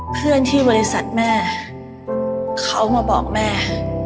เพื่อนที่บริษัทแม่เขามาบอกแม่